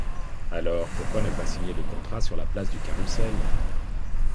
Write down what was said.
Alors, pourquoi ne pas signer le contrat sur la place du Carrousel?